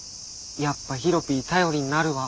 やっぱヒロピー頼りになるわ。